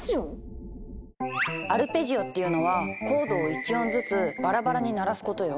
アルペジオっていうのはコードを１音ずつバラバラに鳴らすことよ。